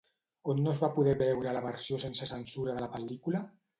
On no es va poder veure la versió sense censura de la pel·lícula?